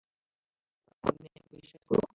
পোন্নি, আমাকে বিশ্বাস করো।